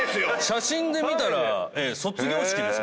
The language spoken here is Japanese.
写真で見たら卒業式です。